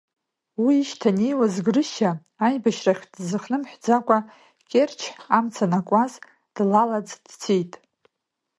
Уи ишьҭанеиуаз Грышьа, аибашьрахьтә дзыхнымҳәӡакәа, Кьерч амца анакуаз, длалаӡ дцеит.